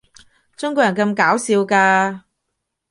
中國人咁搞笑㗎